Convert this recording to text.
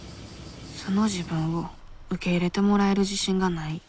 素の自分を受け入れてもらえる自信がない。